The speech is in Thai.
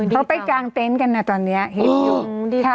พอไปกางเต้นท์กันนะตอนนี้เห็นหยุง